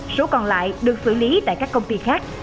số còn lại được xử lý tại các công ty khác